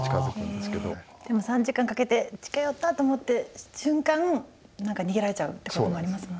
でも３時間かけて近寄ったと思って瞬間何か逃げられちゃうってこともありますもんね。